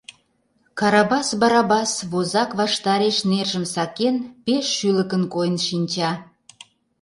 Карабас Барабас возак ваштареш нержым сакен, пеш шӱлыкын койын шинча.